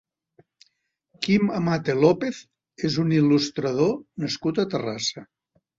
Kim Amate López és un il·lustrador nascut a Terrassa.